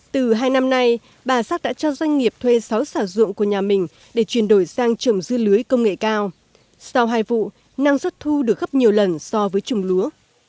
từ hai năm nay bà sắc đã cho doanh nghiệp thuê sáu xảo ruộng của nhà mình để chuyển đổi sang trồng dưa lưới công nghệ cao sau hai vụ năng suất thu được gấp nhiều lần so với trồng lúa